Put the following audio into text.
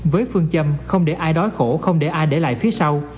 với phương châm không để ai đói khổ không để ai để lại phía sau